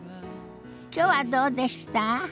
きょうはどうでした？